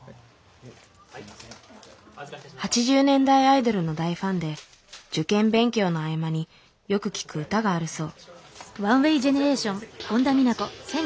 ８０年代アイドルの大ファンで受験勉強の合間によく聴く歌があるそう。